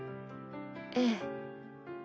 ええ。